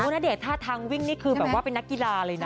ณเดชนท่าทางวิ่งนี่คือแบบว่าเป็นนักกีฬาเลยนะ